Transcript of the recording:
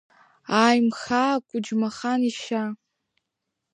Аимхаа Қәыџьмахан ишьа.